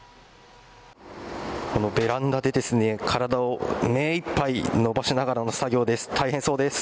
このベランダで体をめいっぱい伸ばしながらの作業です。